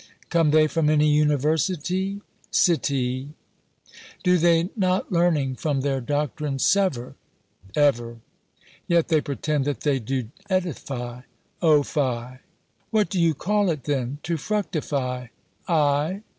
_ Come they from any universitie? Citie! Do they not learning from their doctrine sever? Ever! Yet they pretend that they do edifie: O fie! What do you call it then, to fructify? _Ay.